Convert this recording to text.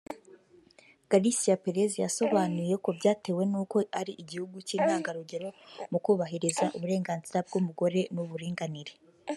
Garcia-Perez yasobanuye ko byatewe n’uko ari igihugu cy’intangarugero mu kubahiriza uburenganzira bw’umugore n’uburinganire